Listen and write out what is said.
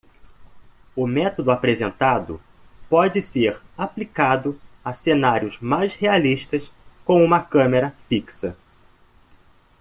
O método apresentado pode ser aplicado a cenários mais realistas com uma câmera fixa.